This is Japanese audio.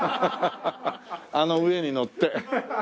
あの上に乗って。